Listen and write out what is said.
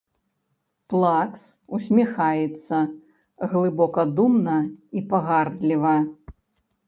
Плакс усміхаецца глыбакадумна і пагардліва.